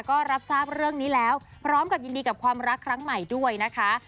ก็รับทราบเรื่องนี้แล้วพร้อมกับยินดีกับความรักครั้งใหม่ด้วยนะคะ